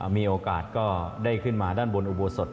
มีโอกาสก็ได้ขึ้นมาด้านบนอุบวศตริย์